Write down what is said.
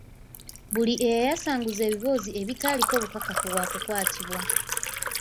Buli eyayasanguza ebiboozi ebitaliiko bukakafu waakukwatibwa.